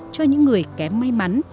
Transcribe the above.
cho những người kém may mắn